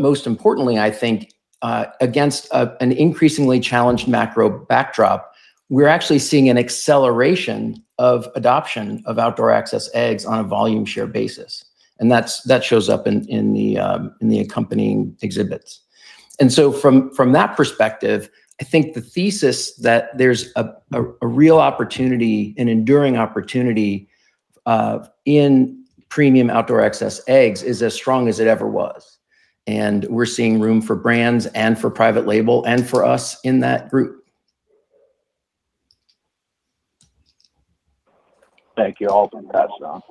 [SPEAKER 3] Most importantly, I think, against an increasingly challenged macro backdrop, we're actually seeing an acceleration of adoption of outdoor access eggs on a volume share basis. That shows up in the accompanying exhibits. From that perspective, I think the thesis that there's a real opportunity, an enduring opportunity, in premium outdoor access eggs is as strong as it ever was. We're seeing room for brands and for private label and for us in that group.
[SPEAKER 9] Thank you. I'll pass it on.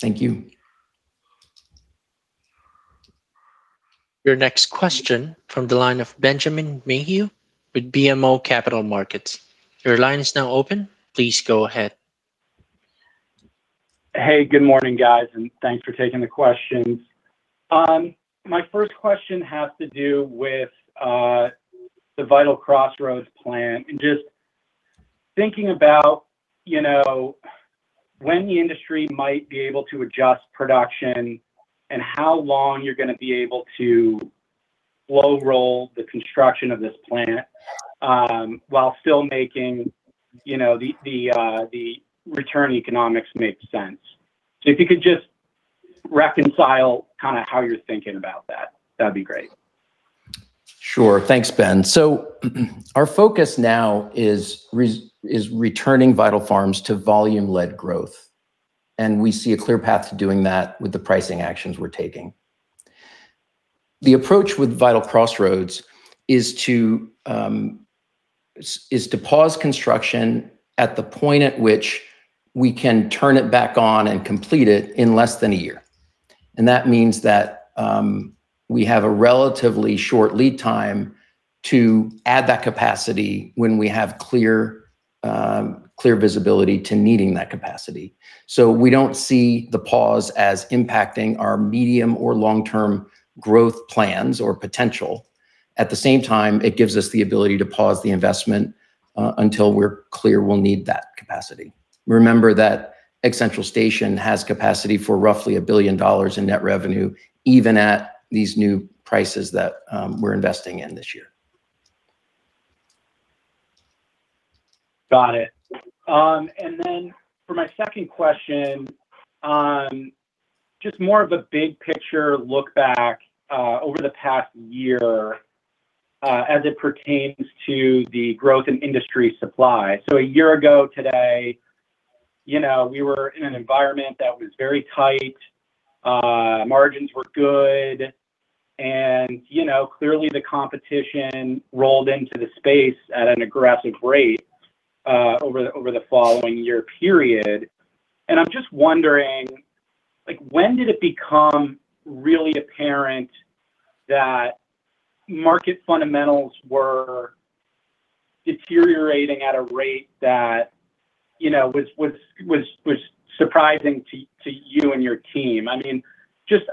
[SPEAKER 3] Thank you.
[SPEAKER 1] Your next question from the line of Benjamin Mayhew with BMO Capital Markets. Your line is now open. Please go ahead.
[SPEAKER 10] Hey, good morning, guys, and thanks for taking the questions. My first question has to do with the Vital Crossroads plant, and just thinking about, you know, when the industry might be able to adjust production and how long you're gonna be able to slow roll the construction of this plant, while still making, you know, the return economics make sense. If you could just reconcile kind of how you're thinking about that'd be great.
[SPEAKER 3] Sure. Thanks, Ben. Our focus now is returning Vital Farms to volume-led growth, we see a clear path to doing that with the pricing actions we're taking. The approach with Vital Crossroads is to pause construction at the point at which we can turn it back on and complete it in less than a year. That means that we have a relatively short lead time to add that capacity when we have clear visibility to needing that capacity. We don't see the pause as impacting our medium or long-term growth plans or potential. At the same time, it gives us the ability to pause the investment until we're clear we'll need that capacity. Remember that Egg Central Station has capacity for roughly $1 billion in net revenue, even at these new prices that we're investing in this year.
[SPEAKER 10] Got it. For my second question, just more of a big picture look back over the past year, as it pertains to the growth in industry supply. A year ago today, you know, we were in an environment that was very tight, margins were good, and, you know, clearly the competition rolled into the space at an aggressive rate over the following year period. I'm just wondering, like, when did it become really apparent that market fundamentals were deteriorating at a rate that, you know, was surprising to you and your team? I mean, just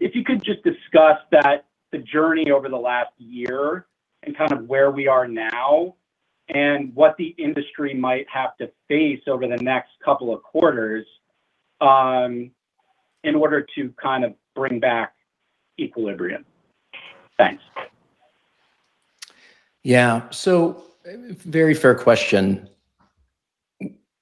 [SPEAKER 10] if you could just discuss that, the journey over the last year and kind of where we are now and what the industry might have to face over the next couple of quarters, in order to kind of bring back equilibrium. Thanks.
[SPEAKER 3] Yeah. Very fair question.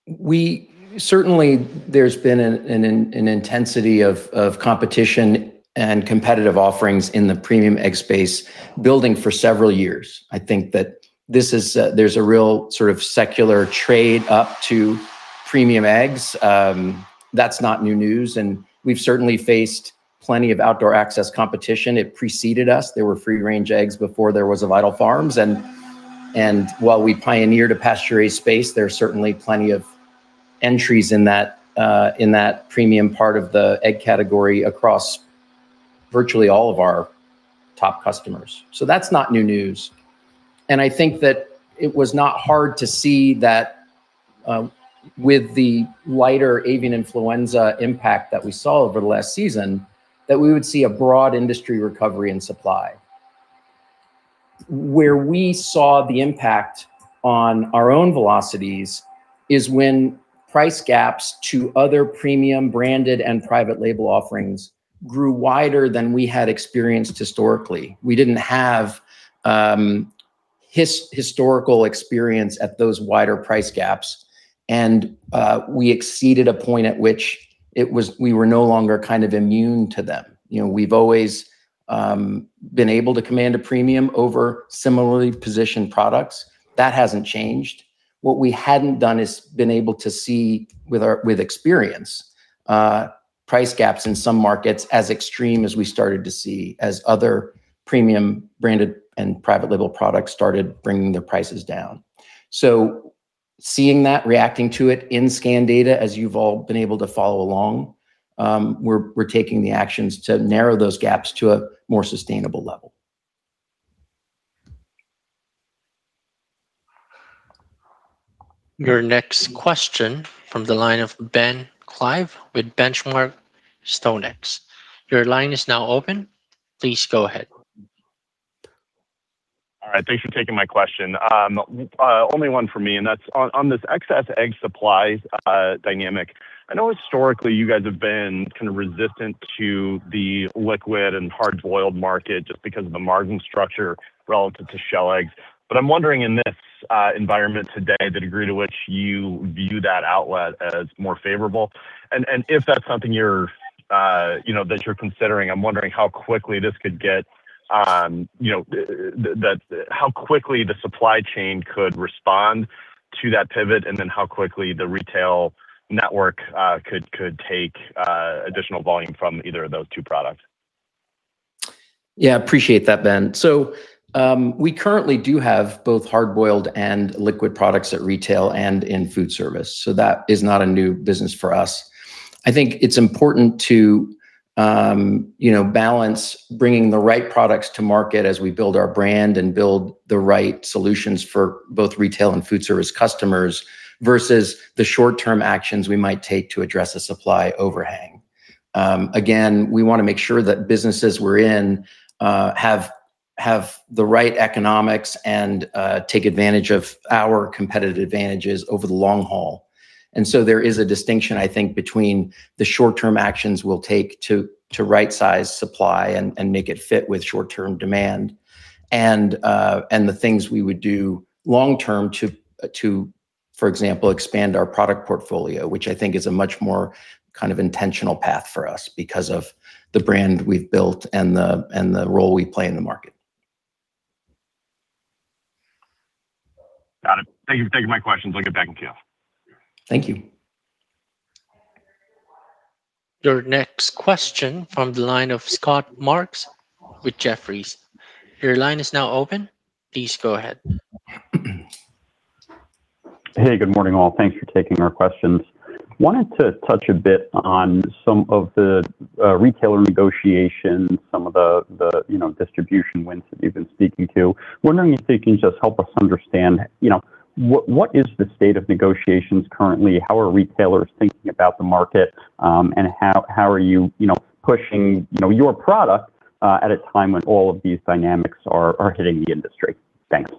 [SPEAKER 3] We certainly, there's been an intensity of competition and competitive offerings in the premium egg space building for several years. I think that this is there's a real sort of secular trade up to premium eggs. That's not new news. We've certainly faced plenty of outdoor access competition. It preceded us. There were free-range eggs before there was a Vital Farms, and while we pioneered a pasture-raised space, there are certainly plenty of entries in that in that premium part of the egg category across virtually all of our top customers. That's not new news. I think that it was not hard to see that with the lighter avian influenza impact that we saw over the last season, that we would see a broad industry recovery and supply. Where we saw the impact on our own velocities is when price gaps to other premium branded and private label offerings grew wider than we had experienced historically. We didn't have historical experience at those wider price gaps, and we exceeded a point at which we were no longer kind of immune to them. You know, we've always been able to command a premium over similarly positioned products. That hasn't changed. What we hadn't done is been able to see with our, with experience, price gaps in some markets as extreme as we started to see as other premium branded and private label products started bringing their prices down. Seeing that, reacting to it in scan data as you've all been able to follow along, we're taking the actions to narrow those gaps to a more sustainable level.
[SPEAKER 1] Your next question from the line of Ben Klieve with Benchmark, StoneX. Your line is now open. Please go ahead.
[SPEAKER 11] All right. Thanks for taking my question. Only one for me, and that's on this excess egg supplies dynamic. I know historically you guys have been kind of resistant to the liquid and hard-boiled market just because of the margin structure relative to shell eggs. I'm wondering in this environment today, the degree to which you view that outlet as more favorable. If that's something you're, you know, that you're considering, I'm wondering how quickly this could get How quickly the supply chain could respond to that pivot, and then how quickly the retail network could take additional volume from either of those two products.
[SPEAKER 3] Yeah, appreciate that, Ben. We currently do have both hard-boiled and liquid products at retail and in food service, so that is not a new business for us. I think it's important to, you know, balance bringing the right products to market as we build our brand and build the right solutions for both retail and food service customers versus the short-term actions we might take to address a supply overhang. Again, we wanna make sure that businesses we're in, have the right economics and take advantage of our competitive advantages over the long haul. There is a distinction, I think, between the short-term actions we'll take to rightsize supply and make it fit with short-term demand and the things we would do long-term to, for example, expand our product portfolio, which I think is a much more kind of intentional path for us because of the brand we've built and the role we play in the market.
[SPEAKER 11] Got it. Thank you for taking my questions. I'll get back in queue.
[SPEAKER 3] Thank you.
[SPEAKER 1] Your next question from the line of Scott Marks with Jefferies. Your line is now open. Please go ahead.
[SPEAKER 12] Hey, good morning, all. Thanks for taking our questions. Wanted to touch a bit on some of the retailer negotiations, some of the, you know, distribution wins that you've been speaking to. Wondering if you can just help us understand, you know, what is the state of negotiations currently? How are retailers thinking about the market? How are you know, pushing, you know, your product at a time when all of these dynamics are hitting the industry? Thanks.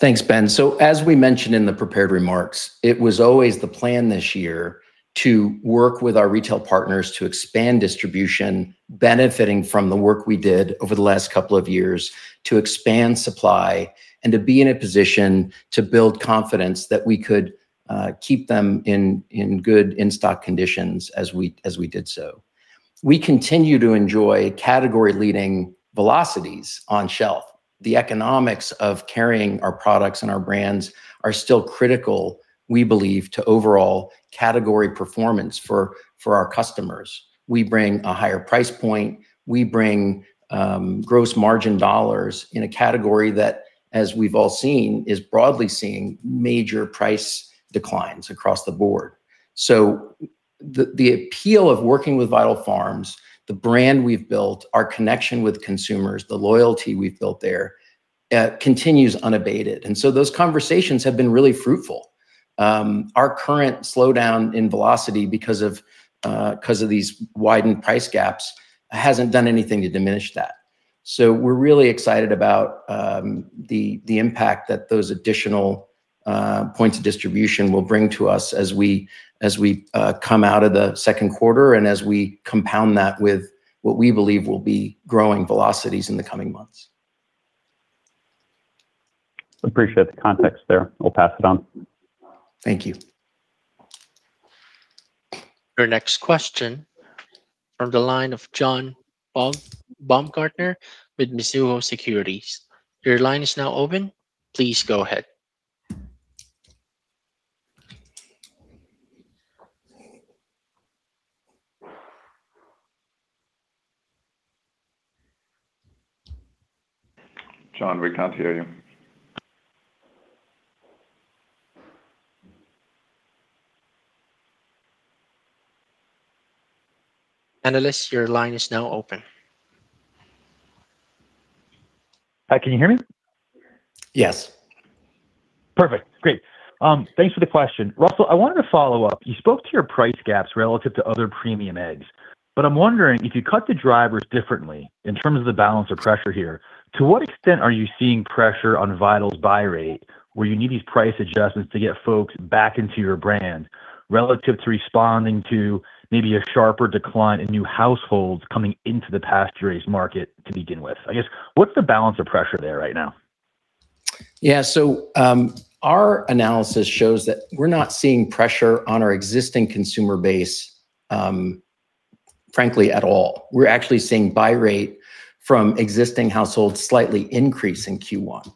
[SPEAKER 3] Thanks, Ben. As we mentioned in the prepared remarks, it was always the plan this year to work with our retail partners to expand distribution, benefiting from the work we did over the last couple of years to expand supply and to be in a position to build confidence that we could keep them in good in-stock conditions as we did so. We continue to enjoy category-leading velocities on shelf. The economics of carrying our products and our brands are still critical, we believe, to overall category performance for our customers. We bring a higher price point. We bring gross margin dollars in a category that, as we've all seen, is broadly seeing major price declines across the board. The appeal of working with Vital Farms, the brand we've built, our connection with consumers, the loyalty we've built there, continues unabated. Those conversations have been really fruitful. Our current slowdown in velocity because of these widened price gaps hasn't done anything to diminish that. We're really excited about the impact that those additional points of distribution will bring to us as we come out of the second quarter and as we compound that with what we believe will be growing velocities in the coming months.
[SPEAKER 12] Appreciate the context there. We'll pass it on.
[SPEAKER 3] Thank you.
[SPEAKER 1] Your next question from the line of John Baumgartner with Mizuho Securities.
[SPEAKER 4] John, we can't hear you.
[SPEAKER 1] Analyst, your line is now open.
[SPEAKER 13] Hi, can you hear me?
[SPEAKER 3] Yes.
[SPEAKER 13] Perfect. Great. Thanks for the question. Russell, I wanted to follow up. You spoke to your price gaps relative to other premium eggs. I'm wondering, if you cut the drivers differently in terms of the balance of pressure here, to what extent are you seeing pressure on Vital's buy rate where you need these price adjustments to get folks back into your brand relative to responding to maybe a sharper decline in new households coming into the pasture-raised market to begin with? I guess, what's the balance of pressure there right now?
[SPEAKER 3] Our analysis shows that we're not seeing pressure on our existing consumer base, frankly at all. We're actually seeing buy rate from existing households slightly increase in Q1.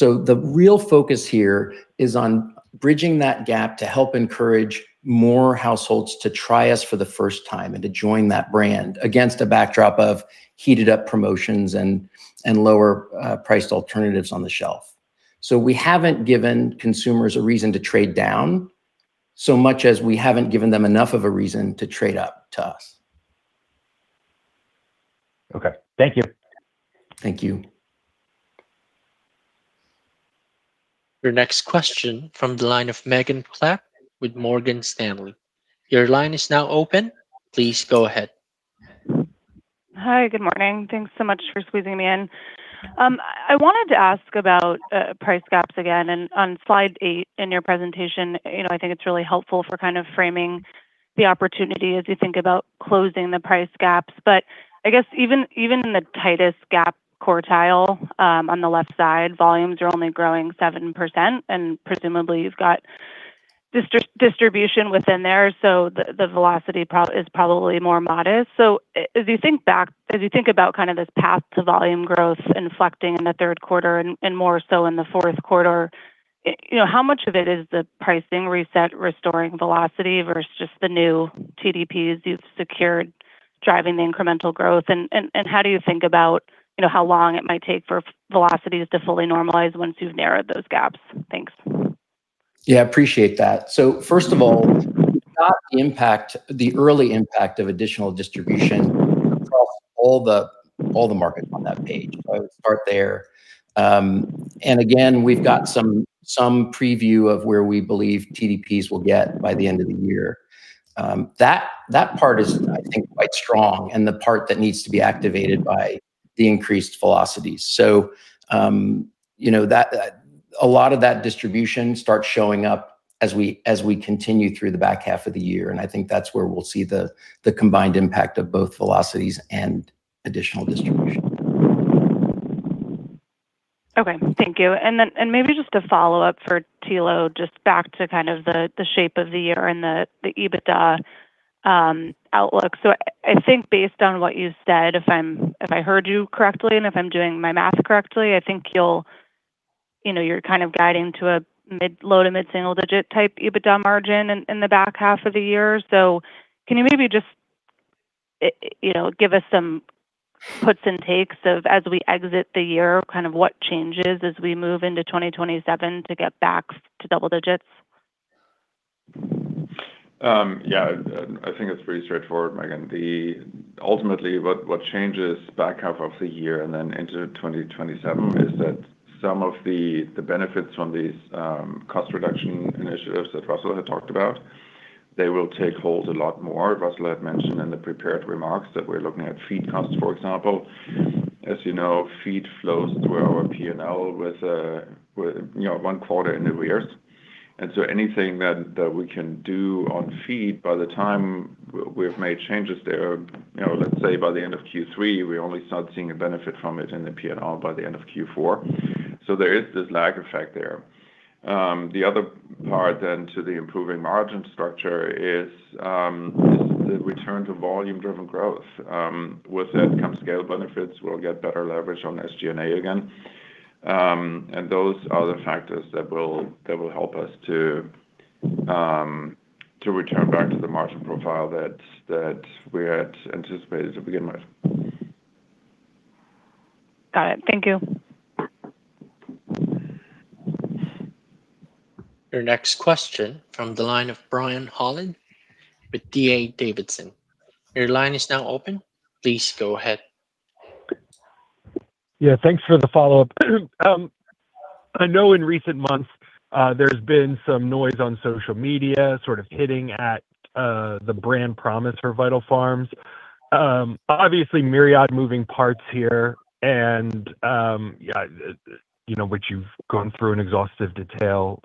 [SPEAKER 3] The real focus here is on bridging that gap to help encourage more households to try us for the first time and to join that brand against a backdrop of heated up promotions and lower priced alternatives on the shelf. We haven't given consumers a reason to trade down so much as we haven't given them enough of a reason to trade up to us.
[SPEAKER 13] Okay. Thank you.
[SPEAKER 3] Thank you.
[SPEAKER 1] Your next question from the line of Megan Clapp with Morgan Stanley. Your line is now open. Please go ahead.
[SPEAKER 14] Hi. Good morning. Thanks so much for squeezing me in. I wanted to ask about price gaps again. On slide 8 in your presentation, you know, I think it's really helpful for kind of framing the opportunity as you think about closing the price gaps. I guess even in the tightest gap quartile, on the left side, volumes are only growing 7%, and presumably you've got distribution within there, so the velocity pro is probably more modest. As you think about kind of this path to volume growth inflecting in the third quarter and more so in the fourth quarter, you know, how much of it is the pricing reset restoring velocity versus just the new TDPs you've secured driving the incremental growth? How do you think about, you know, how long it might take for velocities to fully normalize once you've narrowed those gaps? Thanks.
[SPEAKER 3] Yeah. Appreciate that. First of all, not the impact, the early impact of additional distribution across all the, all the markets on that page. I would start there. Again, we've got some preview of where we believe TDPs will get by the end of the year. That part is, I think, quite strong and the part that needs to be activated by the increased velocities. You know, a lot of that distribution starts showing up as we continue through the back half of the year, and I think that's where we'll see the combined impact of both velocities and additional distribution.
[SPEAKER 14] Okay. Thank you. Maybe just a follow-up for Thilo, just back to kind of the EBITDA outlook. I think based on what you said, if I heard you correctly and if I'm doing my math correctly, I think you're kind of guiding to a low to mid-single digit type EBITDA margin in the back half of the year. Can you maybe just give us some puts and takes of as we exit the year, kind of what changes as we move into 2027 to get back to double digits?
[SPEAKER 4] Yeah. I think it's pretty straightforward, Megan. Ultimately, what changes back half of the year and then into 2027 is that some of the benefits from these cost reduction initiatives that Russell had talked about, they will take hold a lot more. Russell had mentioned in the prepared remarks that we're looking at feed costs, for example. As you know, feed flows through our P&L with, you know, 1 quarter in arrears. Anything that we can do on feed by the time we've made changes there, you know, let's say by the end of Q3, we only start seeing a benefit from it in the P&L by the end of Q4. There is this lag effect there. The other part then to the improving margin structure is the return to volume-driven growth. With that come scale benefits. We'll get better leverage on SG&A again. Those are the factors that will help us to return back to the margin profile that we had anticipated to begin with.
[SPEAKER 14] Got it. Thank you.
[SPEAKER 1] Your next question from the line of Brian Holland with D.A. Davidson. Your line is now open. Please go ahead.
[SPEAKER 7] Yeah. Thanks for the follow-up. I know in recent months, there's been some noise on social media sort of hitting at the brand promise for Vital Farms. Obviously myriad moving parts here and, yeah, you know, which you've gone through in exhaustive detail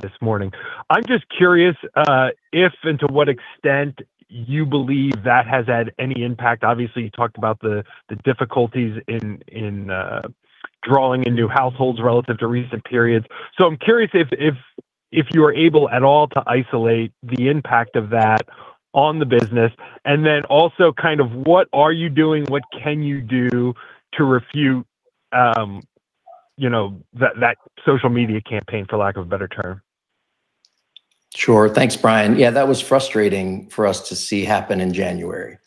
[SPEAKER 7] this morning. I'm just curious, if and to what extent you believe that has had any impact. Obviously, you talked about the difficulties in drawing in new households relative to recent periods. I'm curious if you are able at all to isolate the impact of that on the business, then also kind of what are you doing, what can you do to refute, you know, that social media campaign, for lack of a better term?
[SPEAKER 3] Sure. Thanks, Brian. Yeah, that was frustrating for us to see happen in January.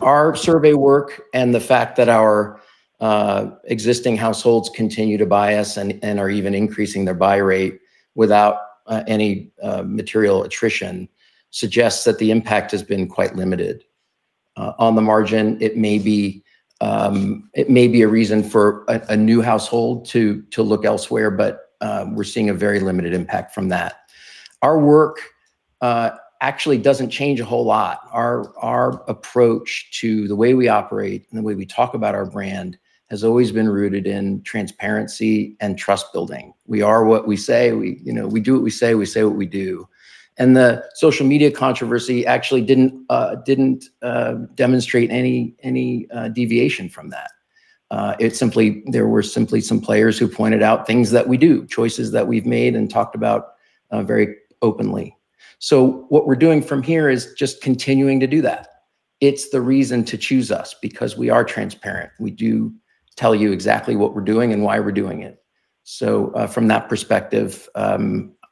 [SPEAKER 3] Our survey work and the fact that our existing households continue to buy us and are even increasing their buy rate without any material attrition suggests that the impact has been quite limited. On the margin, it may be a reason for a new household to look elsewhere, but we're seeing a very limited impact from that. Our work actually doesn't change a whole lot. Our approach to the way we operate and the way we talk about our brand has always been rooted in transparency and trust building. We are what we say. You know, we do what we say, we say what we do. The social media controversy actually didn't demonstrate any deviation from that. There were simply some players who pointed out things that we do, choices that we've made and talked about very openly. What we're doing from here is just continuing to do that. It's the reason to choose us, because we are transparent. We do tell you exactly what we're doing and why we're doing it. From that perspective,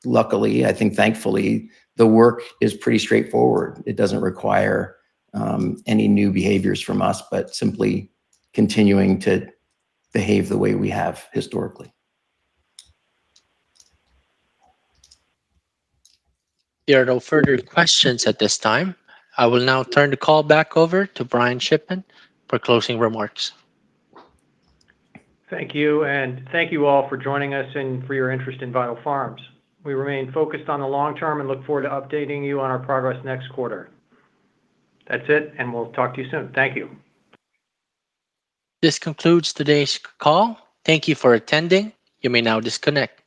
[SPEAKER 3] luckily, I think thankfully, the work is pretty straightforward. It doesn't require any new behaviors from us, but simply continuing to behave the way we have historically.
[SPEAKER 1] There are no further questions at this time. I will now turn the call back over to Brian Shipman for closing remarks.
[SPEAKER 2] Thank you. Thank you all for joining us and for your interest in Vital Farms. We remain focused on the long term and look forward to updating you on our progress next quarter. That's it, we'll talk to you soon. Thank you.
[SPEAKER 1] This concludes today's call. Thank you for attending. You may now disconnect.